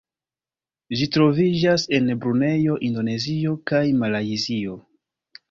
Ĝi troviĝas en Brunejo, Indonezio kaj Malajzio.